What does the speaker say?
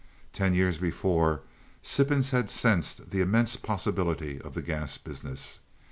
Ten years before Sippens had sensed the immense possibilities of the gas business.